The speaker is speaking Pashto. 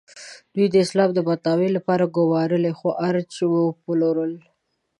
دوی د اسلام د بدنامۍ لپاره ګومارلي خوارج وپلورل.